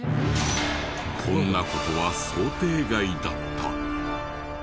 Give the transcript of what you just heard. こんな事は想定外だった。